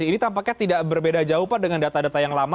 ini tampaknya tidak berbeda jauh pak dengan data data yang lama